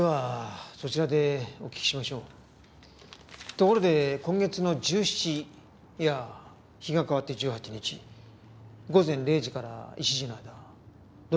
ところで今月の１７いや日が変わって１８日午前０時から１時の間どちらにいらっしゃいました？